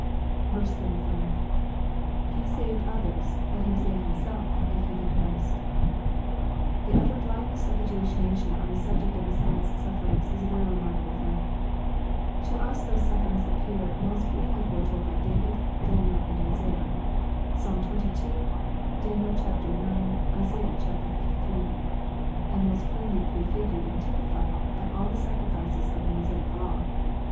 35. — [He saved others ; let him save himself^ if he he Christ.'] The utter bUndness of the Jewish nation on the subject of Messiah's sufierings is a very remarkable fact. To us those sufferings appear most plainly foretold by David, Daniel, and Isaiah (Psalm xxii, Dan. ix. Isai. liii.), and most plainly prefigured and typified by all the sacrifices of the Mosaic law.